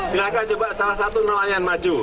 silahkan coba salah satu nelayan maju